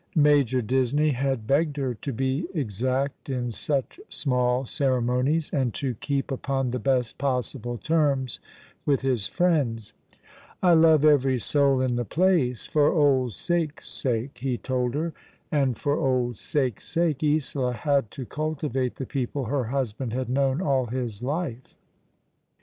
Major Disney had begged her to be exact in such small ceremonies, and to keep upon the best possible terms with his friends. " I love *' DrMmingy she knew it zuas a Dream.'' 51 every soul in the place, for old sake's sake/' ho told her; and for old sake's sake Isola had to cultivate the people her husband had known all his life.